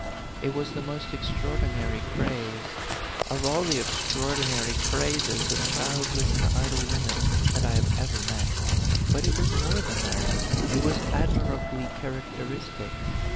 It was the most extraordinary craze, of all the extraor dinary crazes of childless and idle women, that I had ever met; but it was more than that, it was admirably characteristic.